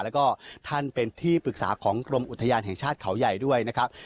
แล้วก็ท่านเป็นที่ปรึกษาของกรมอุทยานแห่งชาติเขาใหญ่ด้วยนะครับ